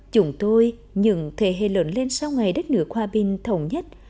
chúng tôi những thế hệ lớn lên sau ngày đất nước hòa bình thổng dân